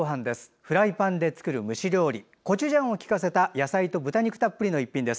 フライパンで作る蒸し料理コチュジャンを効かせた野菜と豚肉たっぷりの一品です。